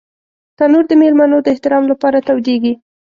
تنور د مېلمنو د احترام لپاره تودېږي